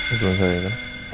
itu maksudnya apa